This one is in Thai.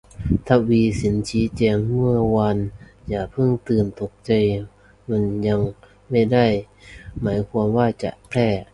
ทวีศิลป์ชี้แจงเมื่อวาน อย่าเพิ่งตื่นตกใจ มันยังไม่ได้หมายความว่าจะแพร่